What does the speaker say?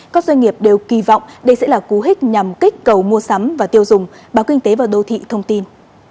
các doanh nghiệp đều kỳ vọng đây sẽ là cú hích nhằm kích cầu mua sắm và tiêu dùng báo kinh tế và đô thị thông tin